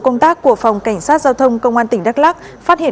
các cơ sở kinh doanh